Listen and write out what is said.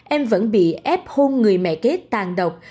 em vẫn bị ép hôn người mẹ kế tàn độc